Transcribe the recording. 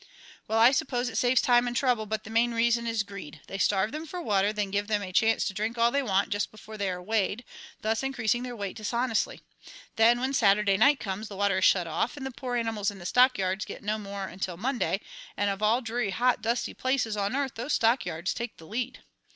"Well, I suppose it saves time and trouble, but the main reason is greed. They starve them for water, then give them a chance to drink all they want just before they are weighed, thus increasing their weight dishonestly. Then, when Saturday night comes, the water is shut off, and the poor animals in the stockyards get no more until Monday; and of all dreary, hot, dusty places on earth those stockyards take the lead.